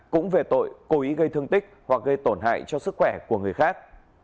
cũng về tội cố ý gây thương tích hoặc gây tổn hại cho sức khỏe của người khác